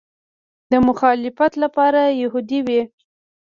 د مخالفت لپاره یهودي وي.